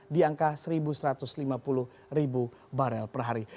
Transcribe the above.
di angka satu satu ratus lima puluh ribu barel per hari